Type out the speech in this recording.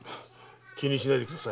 気にしないでください。